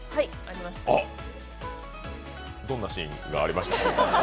どんなシーンがありましたか？